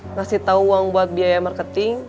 ngasih tahu uang buat biaya marketing